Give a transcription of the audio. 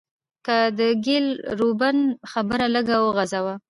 که د ګيل روبين خبره لږه وغزوو